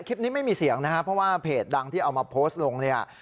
คลิปนี้ไม่มีเสียงนะครับเพราะว่าเพจดังที่เอามาโพสต์ลงเนี่ย